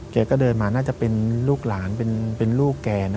แกก็เดินมาน่าจะเป็นลูกหลานเป็นลูกแกนะ